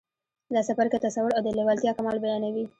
دا څپرکی تصور او د لېوالتیا کمال بيانوي.